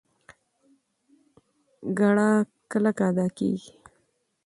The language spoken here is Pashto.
ګړه کلکه ادا کېږي.